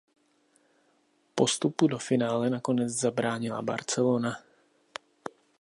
Postupu do finále nakonec zabránila Barcelona.